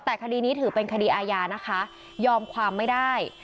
แต่คดีนี้ถือเป็นคดีอาญานะคะยอมความไม่ได้